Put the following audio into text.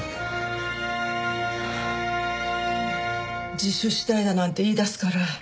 自首したいだなんて言いだすから。